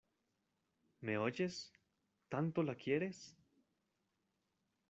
¿ me oyes? ¿ tanto la quieres ?